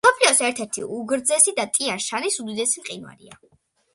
მსოფლიოს ერთ-ერთი უგრძესი და ტიან-შანის უდიდესი მყინვარია.